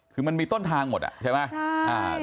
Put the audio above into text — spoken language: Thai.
คือมันมีต้นทางหมดอ่ะใช่ไหม